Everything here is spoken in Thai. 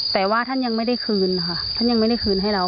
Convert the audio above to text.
แต่ว่าท่านยังไม่ได้คืนค่ะท่านยังไม่ได้คืนให้เรา